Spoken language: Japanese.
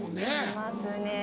しますね。